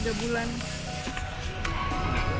jadi gue mau ngerasa capek